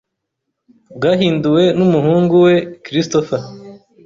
bwahinduwe numuhungu weChristopher